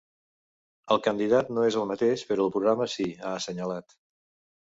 El candidat no és el mateix, però el programa sí, ha assenyalat.